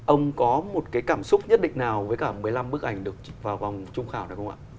ông có một cái cảm xúc nhất định nào với cả một mươi năm bức ảnh được vào vòng trung khảo được không ạ